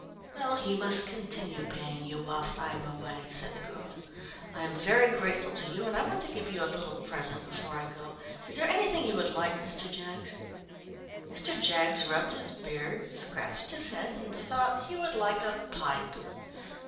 "Well, he must continue paying you whilst I am away," said the girl. "I am very grateful to you and I want to give you a little present before I go. Is there anything you would like, Mr. Jaggs?" Mr. Jaggs rubbed his beard, scratched his head and thought he would like a pipe.